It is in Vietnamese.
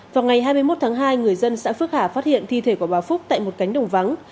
vào ngày hai mươi một tháng hai người dân xã phước hà phát hiện thi thể của bà phúc tại một cánh đồng vắng